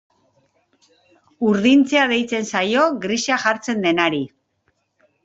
Urdintzea deitzen zaio grisa jartzen denari.